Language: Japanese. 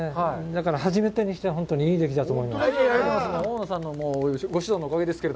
だから初めてにしては本当にいいできだと思います。